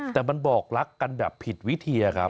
แต่มันบอกลักษณ์กันแบบผิดวิเทียครับ